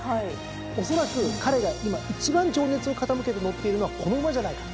おそらく彼が今一番情熱を傾けて乗っているのはこの馬じゃないか。